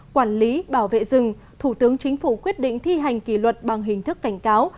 quản lý bảo vệ rừng thủ tướng chính phủ quyết định thi hành kỷ luật bằng hình thức cảnh cáo